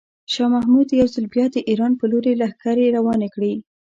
شاه محمود یو ځل بیا د ایران په لوري لښکرې روانې کړې.